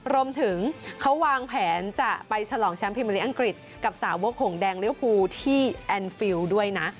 รวมถึงเขาวางแผนจะไปฉลองแชมป์พิมพลิกอังกฤษกับสาวกห่งแดงริวภูที่แอนดฟิลด้วยนะ